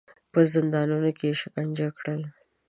په زندانونو کې یې شکنجه کړل.